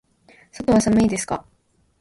外は寒いですか。